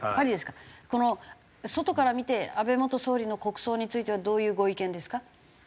外から見て安倍元総理の国葬についてはどういうご意見ですか？